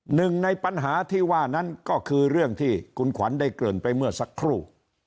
หนึ่งในปัญหาที่ว่านั้นก็คือเรื่องที่คุณขวัญได้เกริ่นไปเมื่อสักครู่